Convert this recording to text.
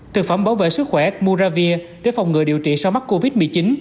thực phẩm bảo vệ sức khỏe muravir để phòng ngừa điều trị sau mắc covid một mươi chín